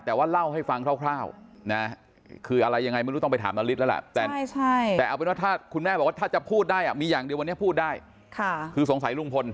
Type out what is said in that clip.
แต่เอาเป็นว่าถ้าคุณแม่บอกว่าถ้าจะพูดได้มีอย่างเดียววันนี้พูดได้คือสงสัยลุงพล